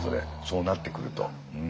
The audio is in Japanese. そうなってくると。